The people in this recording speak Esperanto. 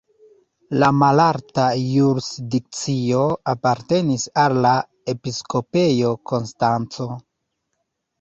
La malalta jurisdikcio apartenis al la Episkopejo Konstanco.